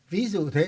ví dụ thế